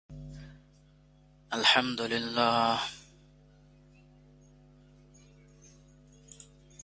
এটি যুক্তরাজ্যের isle of Wight এ অবস্থিত কুয়েস ক্যাসল।